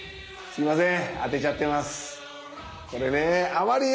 すみません。